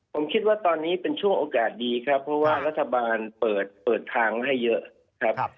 ผมคิดว่าตอนนี้เป็นช่วงโอกาสดีครับเพราะว่ารัฐบาลเปิดทางให้เยอะครับ